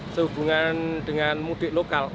sehubungan dengan mudik lokal